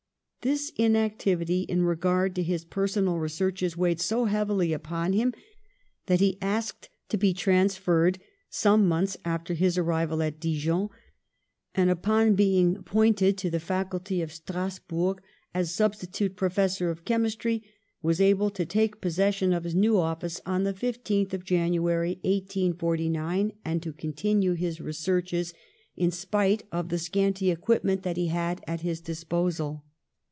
This inactivity in regard to his personal researches weighed so heavily upon him that he asked to be transferred, some months after his arrival at Dijon, and, upon be ing appointed to the Faculty of Strasburg as substitute professor of chemistry, was able to take possession of his new office on the 15th of January, 1849, and to continue his researche^j. A LABORIOUS YOUTH 39 in spite of the scanty equipment that he had at his disposal.